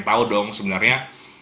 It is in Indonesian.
tahu dong sebenarnya